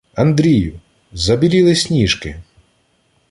— Андрію! "Забіліли сніжки"!